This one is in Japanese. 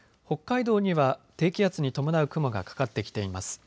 北海道には低気圧に伴う雲がかかってきています。